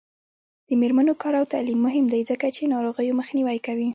د میرمنو کار او تعلیم مهم دی ځکه چې ناروغیو مخنیوی کوي.